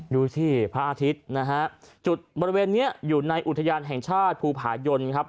ดูสิพระอาทิตย์นะฮะจุดบริเวณนี้อยู่ในอุทยานแห่งชาติภูผายนครับ